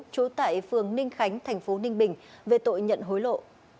trú tại phường ninh khánh tp ninh bình về tội nhận hối lộ